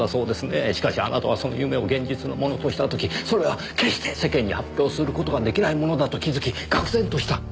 しかしあなたはその夢を現実のものとした時それは決して世間に発表する事が出来ないものだと気づき愕然とした。